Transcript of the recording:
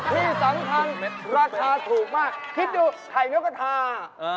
ที่สำคัญราคาถูกมากคิดดูไข่นกกระทา